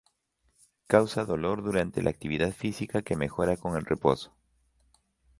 Causa dolor durante la actividad física que mejora con el reposo.